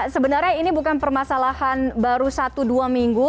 sebenarnya ini bukan permasalahan baru satu dua minggu